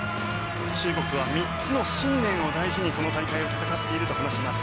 中国は３つの信念を大事にこの大会を戦っていると話します。